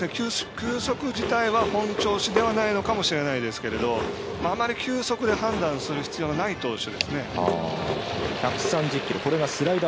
球速自体は本調子ではないのかもしれないですけどあまり球速で判断する必要のない投手ですね。